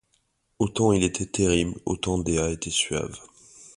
Autant il était terrible, autant Dea était suave.